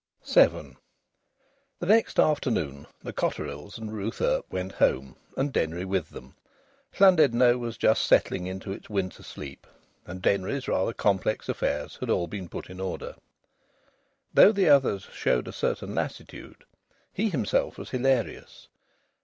VII The next afternoon the Cotterills and Ruth Earp went home, and Denry with them. Llandudno was just settling into its winter sleep, and Denry's rather complex affairs had all been put in order. Though the others showed a certain lassitude, he himself was hilarious.